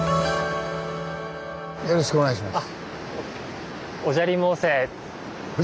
よろしくお願いします。